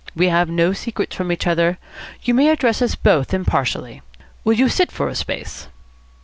We have no secrets from each other. You may address us both impartially. Will you sit for a space?"